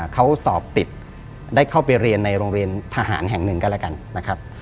เขาสอบติดได้เข้าไปเรียนในโรงเรียนทหารแห่งหนึ่งก็แล้วกันนะครับ